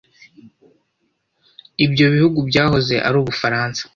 Ibyo bihugu byahoze ari Ubufaransa.